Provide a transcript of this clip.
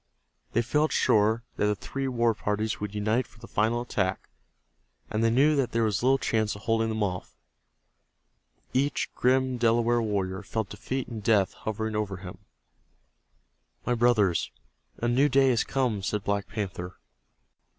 They felt sure that the three war parties would unite for the final attack, and they knew that there was little chance of holding them off. Each grim Delaware warrior felt defeat and death hovering over him. "My brothers, a new day has come," said Black Panther.